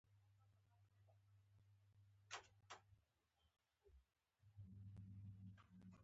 یا د ورځنیو سیاسي خبرو بې سانسوره لیکل دي.